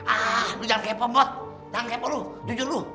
ah lu jangan kepo mod jangan kepo lu jujur lu